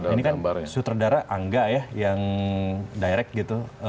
ini kan sutradara angga ya yang direct gitu